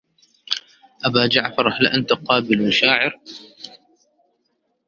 أبا جعفر هل أنت قابل شاعر